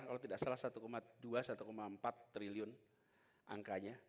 kalau tidak salah satu dua satu empat triliun angkanya